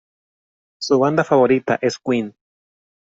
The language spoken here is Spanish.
Su banda favorita es Queen.